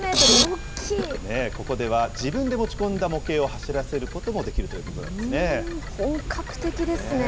ここでは自分で持ち込んだ模型を走らせることもできるということなんですね。